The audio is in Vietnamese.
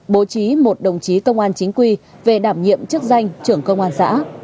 bố trí một đồng chí công an chính quy về đảm nhiệm chức danh trưởng công an xã